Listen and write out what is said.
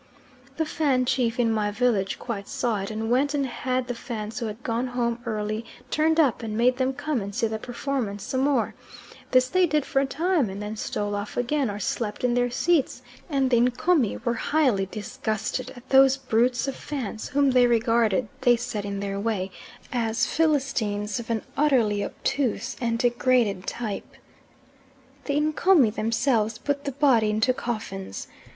The Fan chief in my village quite saw it, and went and had the Fans who had gone home early turned up and made them come and see the performance some more; this they did for a time, and then stole off again, or slept in their seats, and the Ncomi were highly disgusted at those brutes of Fans, whom they regarded, they said in their way, as Philistines of an utterly obtuse and degraded type. The Ncomi themselves put the body into coffins.